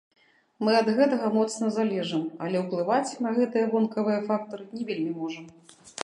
Мы ад гэтага моцна залежым, але ўплываць на гэтыя вонкавыя фактары не вельмі можам.